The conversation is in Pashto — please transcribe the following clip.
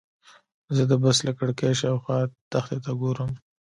زه د بس له کړکۍ شاوخوا دښتې ته ګورم.